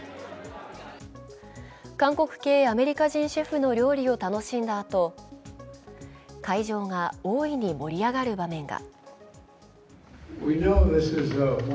韓国系アメリカ人シェフの料理を楽しんだあと会場が大いに盛り上がる場面が。